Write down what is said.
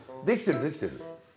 できてるできてる。